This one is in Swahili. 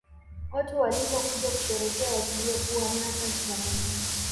Watu hualikwa kuja kusherehekea wakijua kuwa hamna kazi za muhimu